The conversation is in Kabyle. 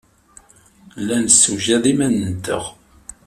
La nessewjad iman-nteɣ.